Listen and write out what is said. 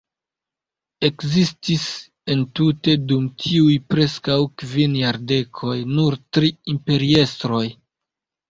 Ekzistis entute dum tiuj preskaŭ kvin jardekoj nur tri imperiestroj.